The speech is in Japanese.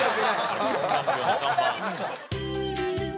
そんなにっすか？